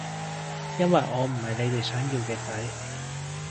因為我唔係你哋想要嘅仔